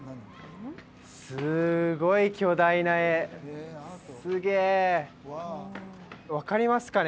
すごい巨大な絵すげえ分かりますかね？